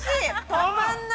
止まんない。